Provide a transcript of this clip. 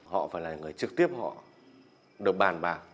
họ phải là người trực tiếp họ được bàn bạc